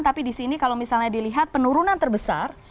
tapi di sini kalau misalnya dilihat penurunan terbesar